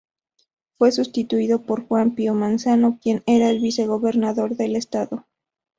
Fue sustituido por Juan Pío Manzano quien era el vice-gobernador del estado.